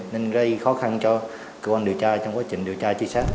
nên gây khó khăn cho cơ quan điều tra trong quá trình điều tra truy sát